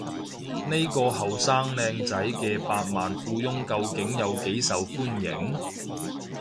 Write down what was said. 呢個後生靚仔嘅百萬富翁究竟有幾受歡迎？